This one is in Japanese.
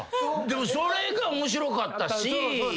でもそれが面白かったし。